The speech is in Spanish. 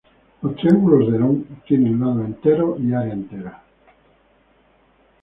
Los triángulos de Herón tienen lados enteros y área entera.